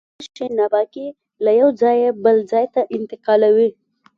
غوماشې ناپاکي له یوه ځایه بل ته انتقالوي.